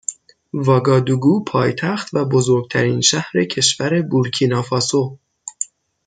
واگادوگو پایتخت و بزرگترین شهر کشور بورکینافاسو